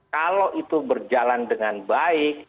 kalau itu berjalan dengan baik